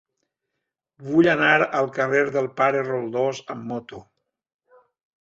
Vull anar al carrer del Pare Roldós amb moto.